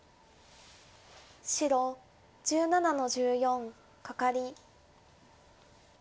白１７の十四カカリ。